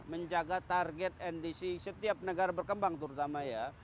menjaga target ndc setiap negara berkembang terutama ya